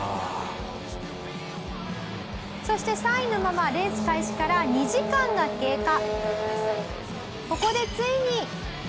そして３位のままレース開始から２時間が経過。